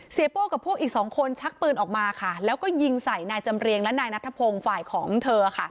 โป้กับพวกอีกสองคนชักปืนออกมาค่ะแล้วก็ยิงใส่นายจำเรียงและนายนัทพงศ์ฝ่ายของเธอค่ะ